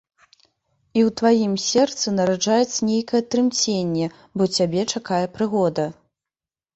І ў тваім сэрцы нараджаецца нейкае трымценне, бо цябе чакае прыгода.